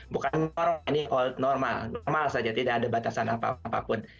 bukan normal normal saja tidak ada batasan apapun